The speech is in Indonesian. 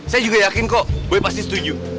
saya juga yakin kok gue pasti setuju